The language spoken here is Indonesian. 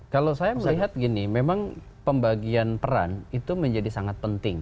kalau saya melihat gini memang pembagian peran itu menjadi sangat penting